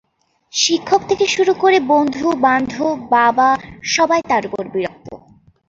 শিক্ষক থেকে শুরু করে বন্ধু-বান্ধব বাবা সবাই তার উপর বিরক্ত।